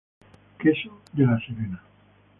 Queso de La Serena